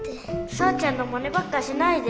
さーちゃんのマネばっかしないで。